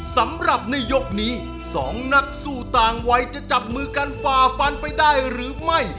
สำหรับในยกนี้สองนักสู้ต่างวัยจะจับมือกันฝ่าฟันไปได้หรือไม่